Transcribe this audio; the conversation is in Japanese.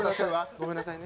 ごめんなさいね。